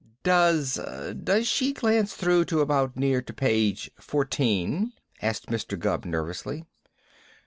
"Does does she glance through to about near to page fourteen?" asked Mr. Gubb nervously.